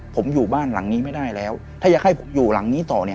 ผมอยู่บ้านหลังนี้ไม่ได้แล้วถ้าอยากให้ผมอยู่หลังนี้ต่อเนี่ย